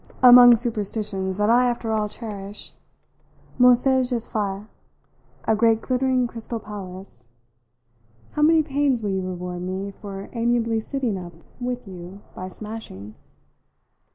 "Among superstitions that I, after all, cherish. Mon siège est fait a great glittering crystal palace. How many panes will you reward me for amiably sitting up with you by smashing?"